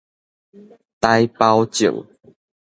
臺胞證